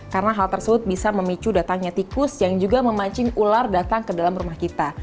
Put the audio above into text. karena hal tersebut bisa memicu datangnya tikus yang juga memancing ular datang ke dalam rumah kita